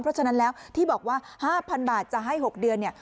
เพราะฉะนั้นแล้วที่บอกว่า๕๐๐๐บาทจะให้๖เดือนเนี่ย